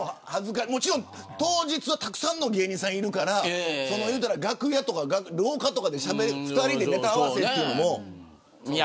もちろん当日はたくさんの芸人さんいるから楽屋や廊下で２人でネタ合わせというのも。